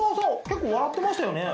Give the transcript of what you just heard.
結構笑ってましたよね？